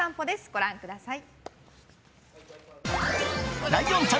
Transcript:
ご覧ください。